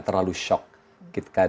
terlalu shock kita berikan